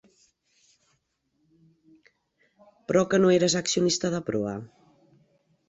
Però que no eres accionista de Proa?